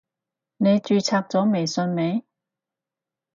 你註冊咗微信未？